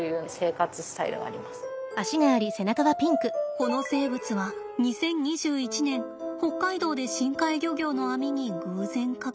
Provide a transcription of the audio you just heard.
この生物は２０２１年北海道で深海漁業の網に偶然かかりました。